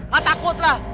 gak takut lah